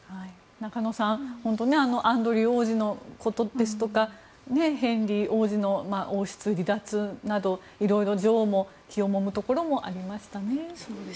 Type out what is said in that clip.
中野さんアンドリュー王子のことですとかヘンリー王子の王室離脱などいろいろ女王も気をもむところもありましたね。